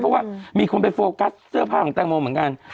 เพราะว่ามีคนไปโฟกัสเสื้อผ้าของแตงโมเหมือนกัน